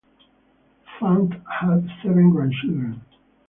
Funt had seven grandchildren.